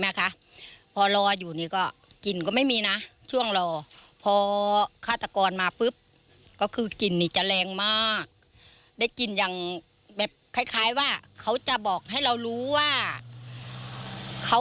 วันนั้นก็กลิ่นมีความรู้สึกว่ากลิ่นมันแรงมาก